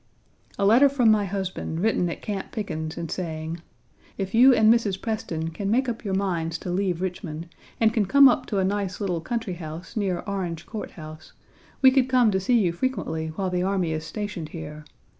A letter from my husband written at Camp Pickens, and saying: "If you and Mrs. Preston can make up your minds to leave Richmond, and can come up to a nice little country house near Orange Court House, we could come to see you frequently while the army is stationed here.